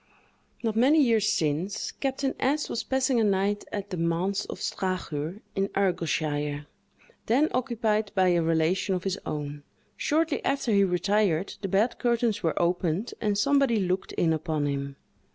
Not many years since, Captain S—— was passing a night at the Manse of Strachur, in Argyleshire, then occupied by a relation of his own; shortly after he retired, the bed curtains were opened, and somebody looked in upon him.